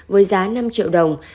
với giá năm triệu đồng